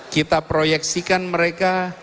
kita proyeksikan mereka